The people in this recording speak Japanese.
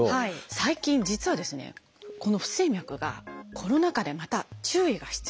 最近実はですねこの不整脈がコロナ禍でまた注意が必要だといわれているんです。